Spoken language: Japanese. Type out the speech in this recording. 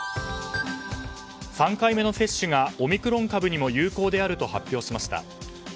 ３回目の接種がオミクロン株にも有効であると発表しました。